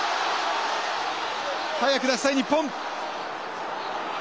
早く出したい日本。